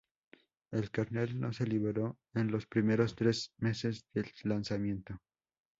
El Kernel no se liberó en los primeros tres meses del lanzamiento.